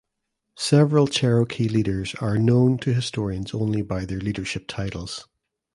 Several Cherokee leaders are known to historians only by their leadership titles.